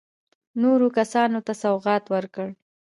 نورو کسانو ته سوغات ورکړ.